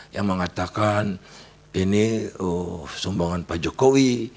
yang mengatakan ini sumbangan pak jokowi